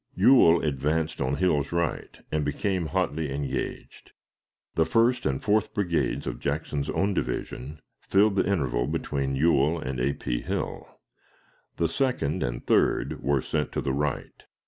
Ewell advanced on Hill's right, and became hotly engaged. The first and fourth brigades of Jackson's own division filled the interval between Ewell and A. P. Hill. The second and third were sent to the right.